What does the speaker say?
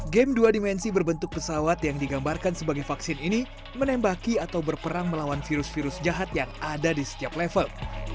game dua dimensi berbentuk pesawat yang digambarkan sebagai vaksin ini menembaki atau berperang melawan virus virus jahat yang ada di setiap level